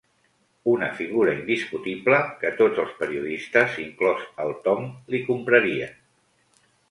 Una figura indiscutible, que tots els periodistes, inclòs el Tom, li comprarien.